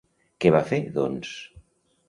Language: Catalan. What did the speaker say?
Què va fer, doncs?